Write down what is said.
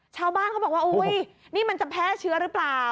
ชาวบ้านเขาบอกว่าอุ๊ยนี่มันจะแพร่เชื้อหรือเปล่า